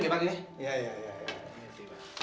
terima kasih pak